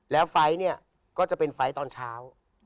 แล้วไฟล์เนี่ยก็จะเป็นไฟล์ตอนเช้า